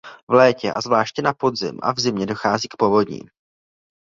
V létě a zvláště na podzim a v zimě dochází k povodním.